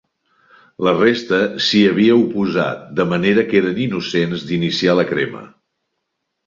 La resta s'hi havia oposat, de manera que eren innocents d'iniciar la crema.